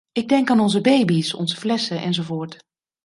Ik denk aan onze baby's, onze flessen enzovoort.